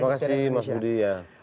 terima kasih mas budi ya